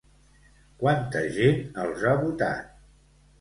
Quanta gent els ha votat?